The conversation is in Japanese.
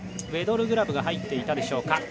ウェドルグラブが入っていたでしょうか。